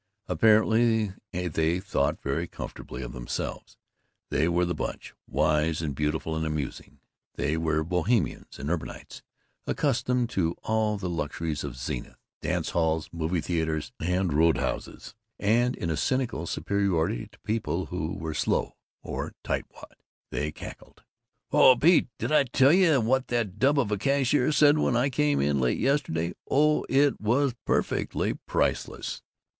Apparently they thought very comfortably of themselves. They were the Bunch, wise and beautiful and amusing; they were Bohemians and urbanites, accustomed to all the luxuries of Zenith: dance halls, movie theaters, and roadhouses; and in a cynical superiority to people who were "slow" or "tightwad" they cackled: "Oh, Pete, did I tell you what that dub of a cashier said when I came in late yesterday? Oh, it was per fect ly priceless!"